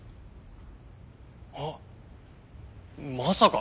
あっまさか！